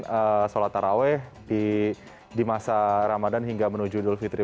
kemudian sholat taraweh di masa ramadhan hingga menuju idul fitri